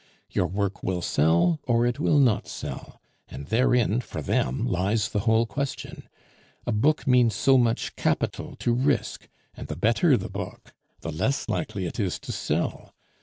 Your work will sell or it will not sell; and therein, for them, lies the whole question. A book means so much capital to risk, and the better the book, the less likely it is to sell.